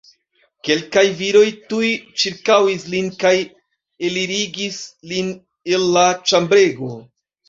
Kelkaj viroj tuj ĉirkaŭis lin kaj elirigis lin el la ĉambrego.